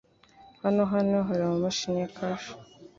Hano hano hari imashini ya cash?